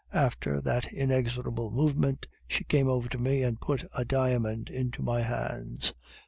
After that inexorable movement, she came over to me and put a diamond into my hands.